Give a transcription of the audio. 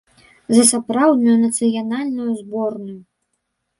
За сапраўдную нацыянальную зборную.